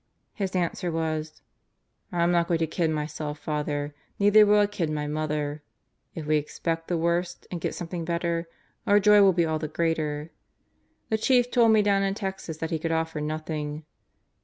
His answer was: 'I'm not going to kid myself, Father, Neither will I kid my mother. If we expect the worst and get something better, our joy will be all the greater. The Chief told me down in Texas that he could offer nothing.